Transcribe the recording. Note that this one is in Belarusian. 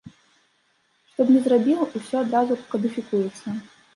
Што б ні зрабіў, усё адразу кадыфікуецца.